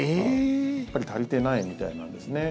やっぱり足りてないみたいなんですね。